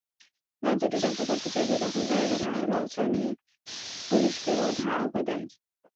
গাছ দুটি জব্দ করতে চাইলে দখলদারেরা ধারালো অস্ত্র নিয়ে পুলিশকেও ধাওয়া দেয়।